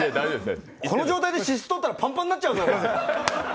この状態で脂質とったらパンパンになっちゃうぞ！